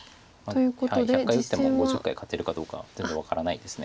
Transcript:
１００回打っても５０回勝てるかどうか全然分からないです。